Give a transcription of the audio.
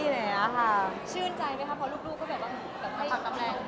ชื่นใจไหมครับเพราะลูกก็แบบ